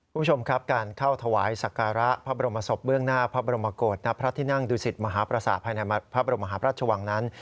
คุณผู้ชมครับการเข้าถวายสักการะพระบรมศพเบื้องหน้าพระบรมกฏณพระที่นั่งดูสิตมหาประสาทภายในพระบรมหาพระราชวังนั้น